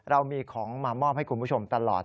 เรามีของมามอบให้คุณผู้ชมตลอด